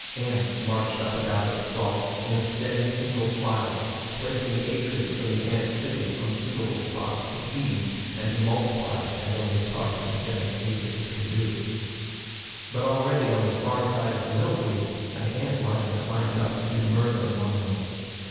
Ants marched up and down its stalk in a steady, single file, placing aphids from the ant city on suitable spots to feed, and to multiply as only parthenogenic aphids can do. But already on the far side of the milkweed, an ant lion climbed up to do murder among them.